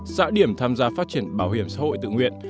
xã điểm tham gia phát triển bảo hiểm xã hội tự nguyện